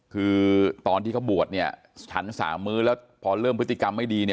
คือตอนที่เขาบวชเนี่ยฉันสามมื้อแล้วพอเริ่มพฤติกรรมไม่ดีเนี่ย